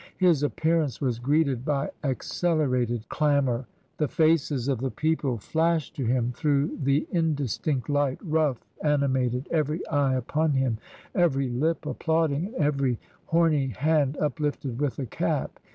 His appearance was greeted by accelerated clamour. The faces of the people flashed to him through the indistinct light, rough, animated, every eye^upon him, every lip applauding, and every horny hand uplifted with a cap.